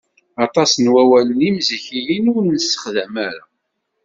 Aṭas n wawalen imzikiyen ur nessexdam ara.